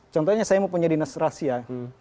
contohnya saya mempunyai dinas rahasia